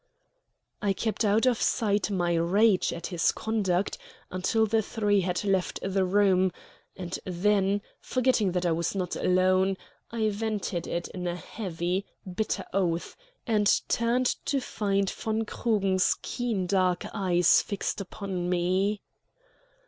I kept out of sight my rage at his conduct until the three had left the room, and then, forgetting that I was not alone, I vented it in a heavy, bitter oath, and turned to find von Krugen's keen dark eyes fixed upon me.